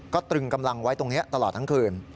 ก็ตรึงกำลังไว้ตรงนี้ตลอดทั้งคืน